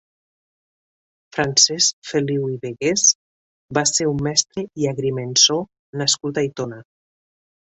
Francesc Feliu i Vegués va ser un mestre i agrimensor nascut a Aitona.